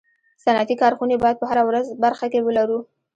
صنعتي کارخوني باید په هره برخه کي ولرو